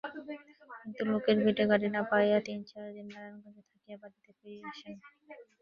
কিন্তু লোকের ভিড়ে গাড়ী না পাইয়া তিন-চার দিন নারায়ণগঞ্জে থাকিয়া বাড়ীতে ফিরিয়া আসেন।